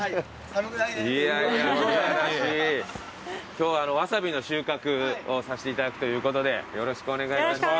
今日はワサビの収穫をさせていただくということでよろしくお願いいたします。